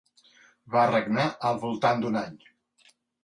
Va regnar al voltant d'un any.